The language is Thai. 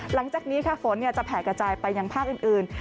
หลังจากนี้ค่ะฝนจะแผ่กระจายไปยังภาคอื่น